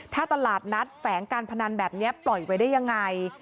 ถ้าตลาดนัดแฝงการพนันแบบนี้ปล่อยไว้ได้ยังไง